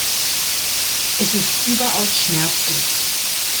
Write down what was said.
Es ist überaus schmerzlich.